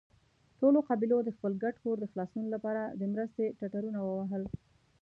ټولو قبيلو د خپل ګډ کور د خلاصون له پاره د مرستې ټټرونه ووهل.